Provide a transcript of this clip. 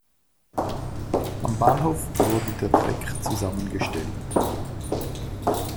Am Bahnhof wurde der Treck zusammengestellt.